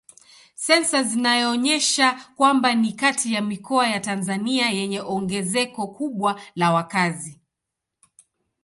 Sensa zinaonyesha kwamba ni kati ya mikoa ya Tanzania yenye ongezeko kubwa la wakazi.